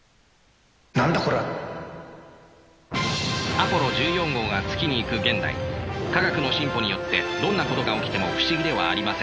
アポロ１４号が月に行く現代科学の進歩によってどんなことが起きても不思議ではありません。